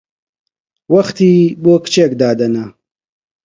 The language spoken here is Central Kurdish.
وەختی بۆ کچێک دادەنا!